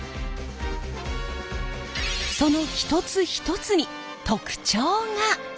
その一つ一つに特長が！